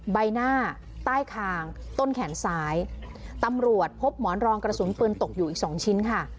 ใบหน้าใต้คางต้นแขนซ้ายตำรวจพบหมอนรองกระสุนปืนตกอยู่อีกสองชิ้นค่ะ